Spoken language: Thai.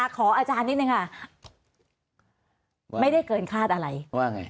ขออาจารย์นิดนึงค่ะไม่ได้เกินคาดอะไรว่าไง